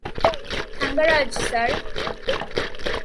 Thangaraj, sir.